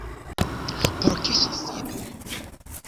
Por ke ŝi sidu.